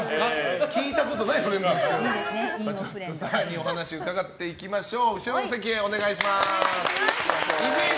お話伺っていきましょう。